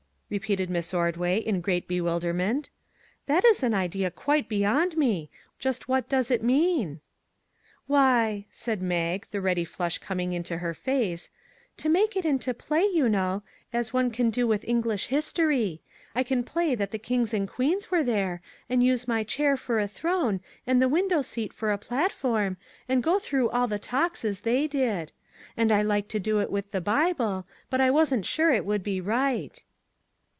repeated Miss Ordway, in great bewilderment; " that is an idea quite be yond me. Just what does it mean ?"" Why," said Mag, the ready flush coming into her face, " to make it into play, MAG AND MARGARET you know; as one can do with Eng lish history. I can play that the kings and queens were there, and use my chair for a throne, and the window seat for a platform, and go through all the talks as they did. And I like to do it with the Bible, but I wasn't sure it would be right."